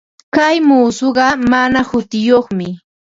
Kay muusuqa mana hutiyuqmi.